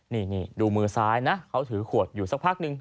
นี่ดูมือซ้ายนะเขาถือขวดอยู่สักพักนึง